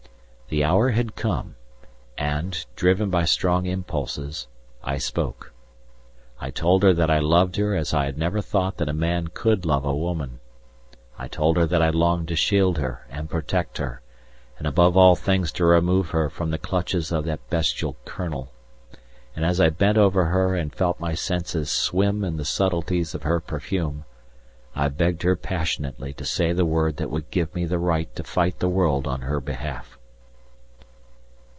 The hour had come, and, driven by strong impulses, I spoke. I told her that I loved her as I had never thought that a man could love a woman; I told her that I longed to shield her and protect her, and above all things to remove her from the clutches of that bestial Colonel, and as I bent over her and felt my senses swim in the subtleties of her perfume, I begged her passionately to say the word that would give me the right to fight the world on her behalf.